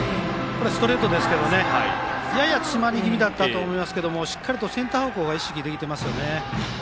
ストレートですけど詰まり気味だったと思いますがしっかりとセンター方向意識できていますね。